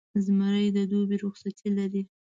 زمری د دوبي رخصتۍ لري.